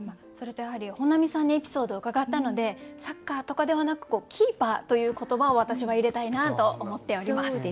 それとやはり本並さんにエピソードを伺ったので「サッカー」とかではなく「キーパー」という言葉を私は入れたいなと思っております。